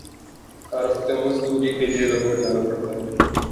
ہر ہفتے مزدوری کیلئے لاہور جانا پڑتا ہے۔